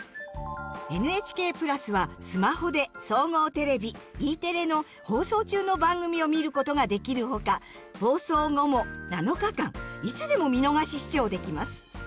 ＮＨＫ＋はスマホで総合テレビＥテレの放送中の番組を見ることができるほか放送後も７日間いつでも見逃し視聴できます。